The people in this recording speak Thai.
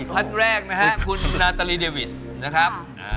ท่านแรกนะฮะคุณนาตาลีเดวิสนะครับ